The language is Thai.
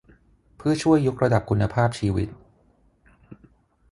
เพื่อช่วยยกระดับคุณภาพชีวิต